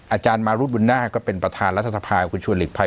อาจารย์มารุธบุญหน้าก็เป็นประธานรัฐสภาคุณชวนหลีกภัย